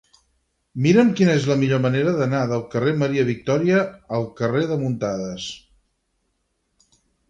Mira'm quina és la millor manera d'anar del carrer de Maria Victòria al carrer de Muntadas.